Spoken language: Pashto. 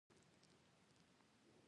مراد په مېلمستیا کې ډېر شراب وڅښل.